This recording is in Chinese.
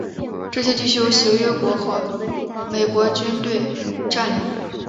这些地区由协约国和美国军队占领。